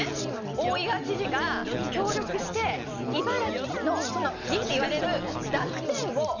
大井川知事が協力して「いばらき」のその「ぎ」って言われる濁点を。